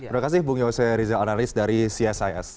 terima kasih bung yose rizal analis dari csis